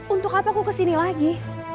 untuk apa aku kesini lagi